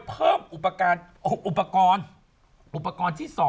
ปอท